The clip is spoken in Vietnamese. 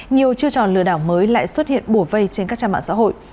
nhiều chưa tròn lừa đảo mới lại xuất hiện bổ vây trên các trang mạng xã hội